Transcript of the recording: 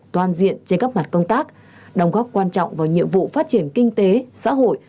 toàn diện trên các mặt công tác đồng góp quan trọng vào nhiệm vụ phát triển kinh tế xã hội